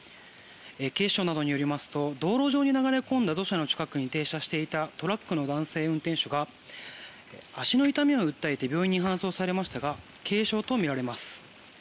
警視庁などによりますと道路上に流れ込んだ土砂の近くに停車していたトラックの男性運転手が足の痛みを訴えて病院に搬送されましたが軽傷とみられます。